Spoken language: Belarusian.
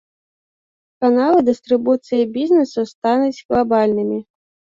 Каналы дыстрыбуцыі бізнэсу стануць глабальнымі.